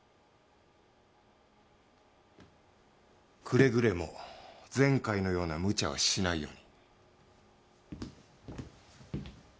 くれぐれも前回のようなむちゃはしないように。